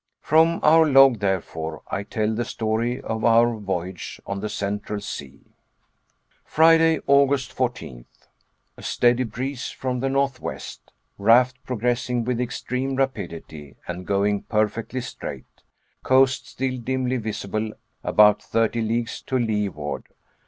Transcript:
From our log, therefore, I tell the story of our voyage on the Central Sea. Friday, August 14th. A steady breeze from the northwest. Raft progressing with extreme rapidity, and going perfectly straight. Coast still dimly visible about thirty leagues to leeward.